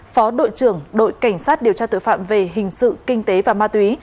phó đội trưởng đội cảnh sát điều tra tội phạm về hình sự kinh tế và ma túy